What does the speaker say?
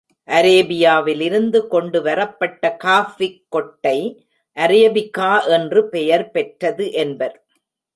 அரேபியாவிலிருந்து கொண்டு வரப்பட்ட காஃபிக் கொட்டை அரேபிகா என்று பெயர் பெற்றது என்பர்.